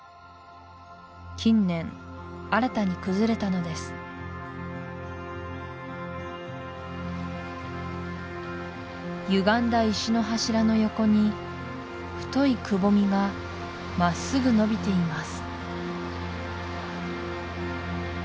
近年新たに崩れたのですゆがんだ石の柱の横に太いくぼみがまっすぐ伸びています